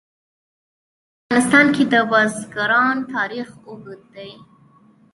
په افغانستان کې د بزګان تاریخ اوږد دی.